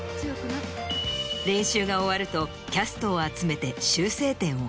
練習が終わるとキャストを集めて。